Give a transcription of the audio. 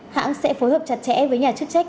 hãng sẽ phối hợp chặt chẽ với nhà chức trách